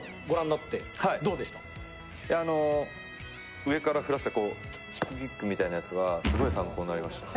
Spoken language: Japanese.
上から振らせてチップキックみたいなやつはすごい参考になりました。